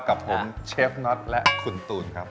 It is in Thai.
กับผมเชฟน็อตและคุณตูนครับ